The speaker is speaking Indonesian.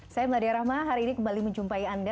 saya meladia rahma hari ini kembali menjumpai anda